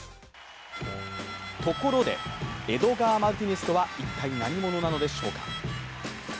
ところで、エドガー・マルティネスとは一体何者なのでしょうか？